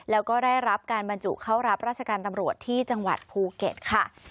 แล้วก็ได้รับการบรรจุเข้ารับราชการตำรวจที่จังหวัดภูเก็ตค่ะ